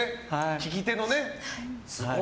聞き手のね。